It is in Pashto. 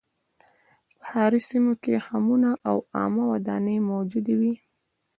په ښاري سیمو کې حمونه او عامه ودانۍ موجودې وې